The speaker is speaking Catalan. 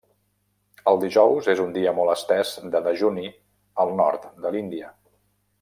El dijous és un dia molt estès de dejuni al nord de l'Índia.